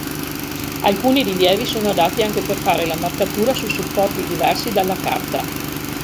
Alcuni rilievi sono adatti anche per fare la marcatura su supporti diversi dalla carta.